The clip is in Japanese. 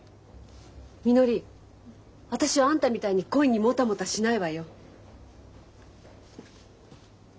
みのり私はあんたみたいに恋にもたもたしないわよ。